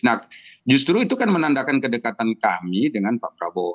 nah justru itu kan menandakan kedekatan kami dengan pak prabowo